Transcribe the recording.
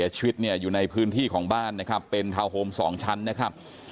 ชีวิตเนี่ยอยู่ในพื้นที่ของบ้านนะครับเป็นทาวน์โฮม๒ชั้นนะครับ